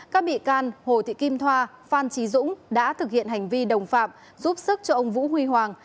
các bị can hồ thị kim thoa phan trí dũng đã thực hiện hành vi đồng phạm giúp sức cho ông vũ huy hoàng